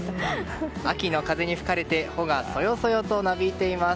秋の風に吹かれて穂がそよそよとなびいています。